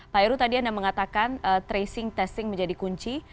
pak heru tadi anda mengatakan tracing testing menjadi kunci